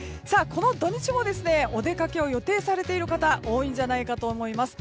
この土日もお出かけを予定されている方多いんじゃないかと思います。